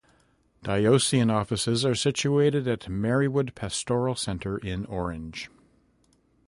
Diocesan offices are situated at Marywood Pastoral Center in Orange.